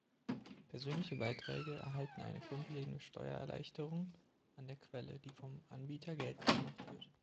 Persönliche Beiträge erhalten eine grundlegende Steuererleichterung an der Quelle, die vom Anbieter geltend gemacht wird.